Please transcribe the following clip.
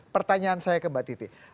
pertanyaan saya ke mbak titi